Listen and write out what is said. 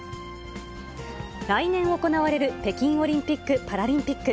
来年行われる北京オリンピック・パラリンピック。